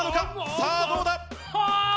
さぁどうだ？